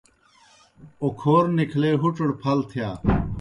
اوکھور نِکھلے ہُڇَڑ پھل تِھیا۔